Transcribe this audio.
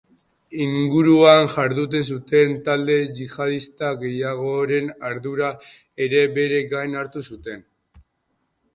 Inguruan jarduten zuten talde yihadista gehiagoren ardura ere bere gain hartu zuen.